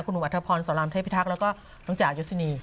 คุณอุมอัทธพรสรามเทพิทักษ์แล้วก็น้องจ่ายุศินีย์